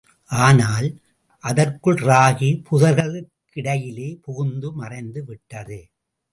ஆனல், அதற்குள் ராகி புதர்களுக்கு இடையிலே புகுந்து மறைந்துவிட்டது.